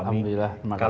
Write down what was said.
alhamdulillah terima kasih